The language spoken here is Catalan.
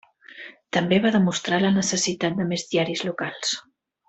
També va demostrar la necessitat de més diaris locals.